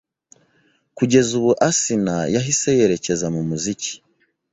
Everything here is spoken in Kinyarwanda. kugeza ubu Asinah yahise yerekeza mu muziki